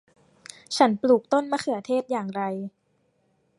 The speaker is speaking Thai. ฉันปลูกต้นมะเขือเทศอย่างไร